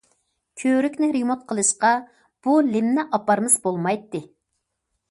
كۆۋرۈكنى رېمونت قىلىشقا بۇ لىمنى ئاپارمىسا بولمايتتى.